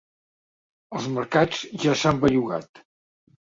Els mercats ja s’han bellugat.